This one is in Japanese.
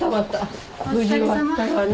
無事終わったわね。